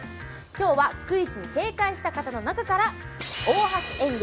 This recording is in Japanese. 今日はクイズに正解した方の中から大橋園芸